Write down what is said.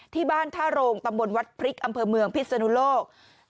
ท่าโรงตำบลวัดพริกอำเภอเมืองพิศนุโลก